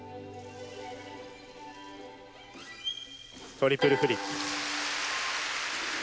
トリプルフリップ。